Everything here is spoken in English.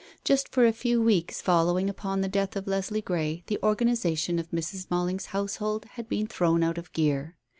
Just for a few weeks following upon the death of Leslie Grey the organization of Mrs. Malling's household had been thrown out of gear.